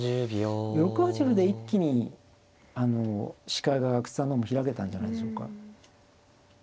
６八歩で一気に視界が阿久津さんの方も開けたんじゃないでしょうか。